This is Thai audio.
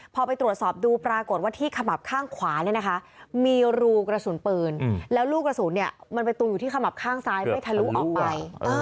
พอไปตรวจสอบดูปรากฏว่าที่ขมับข้างขวาเนี่ยนะคะมีรูกระสุนปืนแล้วลูกกระสุนมันไปตรงอยู่ที่ขมับข้างซ้ายไม่ทะลุออกไป